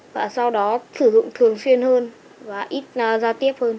và sau đó sử dụng thường xuyên hơn và ít giao tiếp hơn